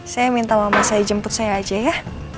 saya minta mama saya jemput saya aja ya